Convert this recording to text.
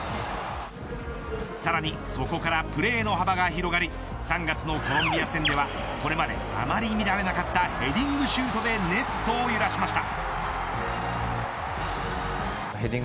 さらにそこからプレーの幅が広がり３月のコロンビア戦ではこれまであまり見られなかったヘディングシュートでネットを揺らしました。